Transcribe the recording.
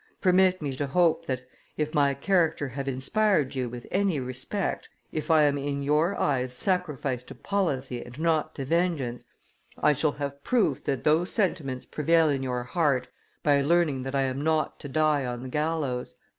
Permit me to hope that, if my character have inspired you with any respect, if I am in your eyes sacrificed to policy and not to vengeance, I shall have proof that those sentiments prevail in your heart by learning that I am not to die on the gallows."